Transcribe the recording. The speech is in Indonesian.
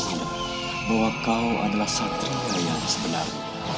tanda bahwa kau adalah satria yang sebenar